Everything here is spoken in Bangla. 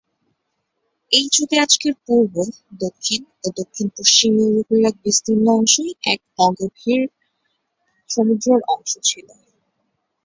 এই যুগে আজকের পূর্ব, দক্ষিণ ও দক্ষিণ-পশ্চিম ইউরোপের এক বিস্তীর্ণ অংশই এক অগভীর সমুদ্রের অংশ ছিল।